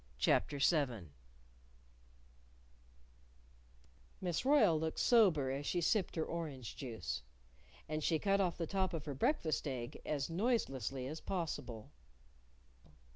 CHAPTER VII Miss Royle looked sober as she sipped her orange juice. And she cut off the top of her breakfast egg as noiselessly as possible.